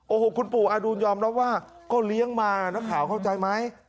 โอ้โหคุณปู่อดุลยอมรับว่าก็เลี้ยงมานักข่าวเข้าใจไหม